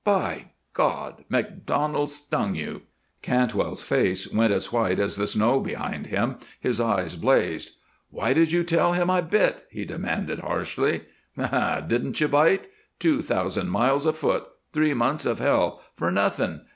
By God! MacDonald stung you." Cantwell's face went as white as the snow behind him, his eyes blazed. "Why did you tell him I bit?" he demanded, harshly. "Hunh! Didn't you bite? Two thousand miles afoot; three months of hell; for nothing.